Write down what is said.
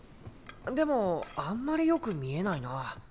でもあんまりよく見えないな。